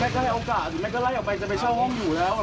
ก็ให้โอกาสแม่ก็ไล่ออกไปจะไปเช่าห้องอยู่แล้ว